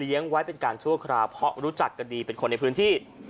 ไว้เป็นการชั่วคราวเพราะรู้จักกันดีเป็นคนในพื้นที่